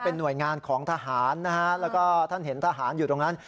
เป็นหน่วยงานของทหารนะฮะแล้วก็ท่านเห็นทหารอยู่ตรงนั้น